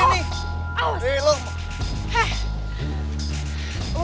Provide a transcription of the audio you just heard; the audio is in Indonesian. kita lagi ngejar mobil hitam